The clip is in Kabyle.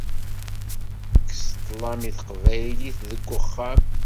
Kkes ṭṭlam i Teqbaylit deg uxxam.